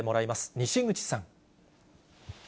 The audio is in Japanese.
西口さん。